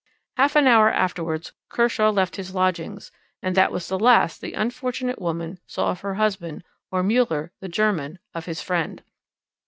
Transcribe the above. Half an hour afterwards Kershaw had left his lodgings, and that was the last the unfortunate woman saw of her husband, or Müller, the German, of his friend.